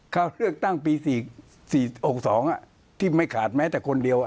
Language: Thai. เขาเลือกตั้งปี๔๖๒ที่ไม่ขาดแม้แต่คนเดียว